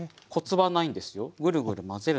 はい。